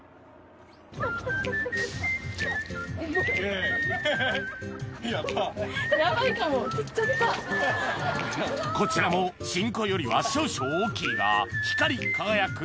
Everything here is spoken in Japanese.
・イエイ・こちらも新子よりは少々大きいが光り輝く